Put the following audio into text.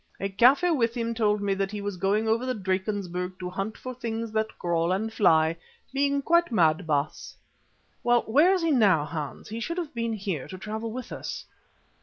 A Kaffir with him told me that he was going over the Drakensberg to hunt for things that crawl and fly, being quite mad, Baas." "Well, where is he now, Hans? He should have been here to travel with us."